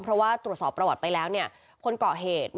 เพราะว่าตรวจสอบประวัติไปแล้วคนเกาะเหตุ